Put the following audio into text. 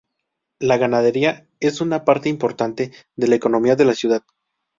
La ganadería es una parte importante de la economía de la ciudad.